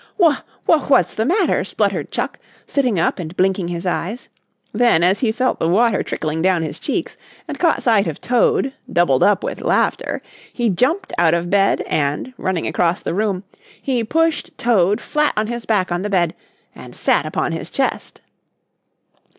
"W w w what's the matter?" spluttered Chuck, sitting up and blinking his eyes. Then, as he felt the water trickling down his cheeks and caught sight of Toad, doubled up with laughter, he jumped out of bed and, running across the room, he pushed Toad flat on his back on the bed and sat upon his chest.